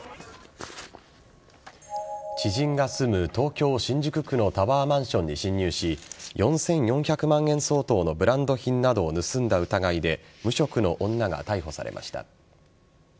知人が住む、東京・新宿区のタワーマンションに侵入し４４００万円相当のブランド品などを盗んだ疑いで無職の女が逮捕されました。